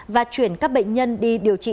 và chuyển các bệnh nhân đi điều trị